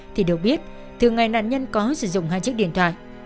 thì đều biết thường ngày nạn nhân có sử dụng hai chiếc điện thoại